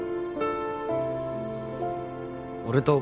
俺と。